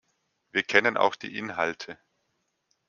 Wir kennen auch die Inhalte.